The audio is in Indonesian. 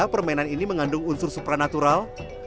permainan ini mengandung unsur supranatural